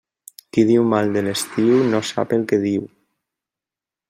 Qui diu mal de l'estiu, no sap el que diu.